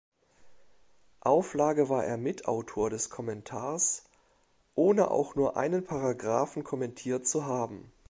Auflage war er Mitautor des Kommentars, ohne auch nur einen Paragraphen kommentiert zu haben.